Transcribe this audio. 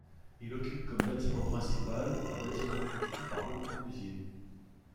Il occupe comme bâtiment principal un bâtiment conçu par Le Corbusier.